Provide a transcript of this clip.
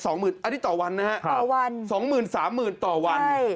อันนี้ต่อวันนะครับ๒๐๐๐๐๓๐๐๐๐ต่อวัน